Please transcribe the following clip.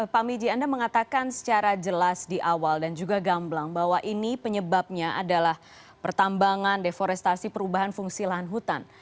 pak miji anda mengatakan secara jelas di awal dan juga gamblang bahwa ini penyebabnya adalah pertambangan deforestasi perubahan fungsi lahan hutan